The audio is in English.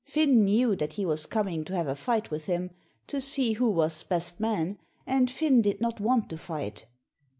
Finn knew that he was coming to have a fight with him, to see who was best man, and Finn did not want to fight.